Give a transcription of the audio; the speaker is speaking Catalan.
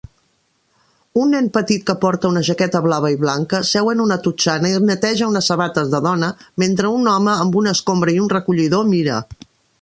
Un nen petit que porta una jaqueta blava i blanca seu en una totxana i neteja unes sabates de dona mentre un home amb una escombra i un recollidor mira